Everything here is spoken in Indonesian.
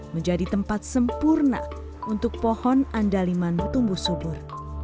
menjadi tempat sempurna untuk pohon andaliman tumbuh subur